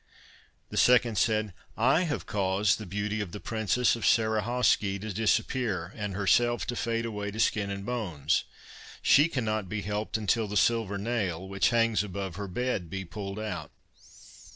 The second said: 'I have caused the beauty of the princess of Sarahawsky to disappear, and herself to fade away to skin and bones; she cannot be helped until the silver nail, which hangs above her bed, be pulled out.